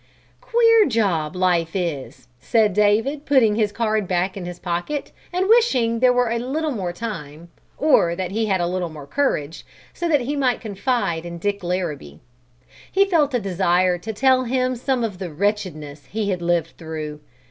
"Queer job, life is!" said David, putting his card back in his pocket and wishing there were a little more time, or that he had a little more courage, so that he might confide in Dick Larrabee. He felt a desire to tell him some of the wretchedness he had lived through.